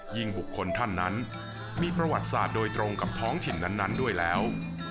บุคคลท่านนั้นมีประวัติศาสตร์โดยตรงกับท้องถิ่นนั้นด้วยแล้ว